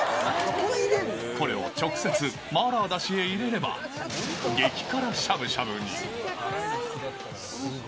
これを直接、マーラーだしへ入れれば激辛しゃぶしゃぶに。